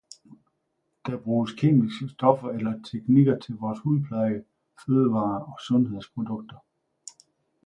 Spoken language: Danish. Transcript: Der bruges kemiske stoffer eller teknikker til vores hudpleje, fødevarer og sundhedsprodukter.